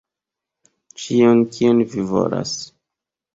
Ĉion kion vi volas.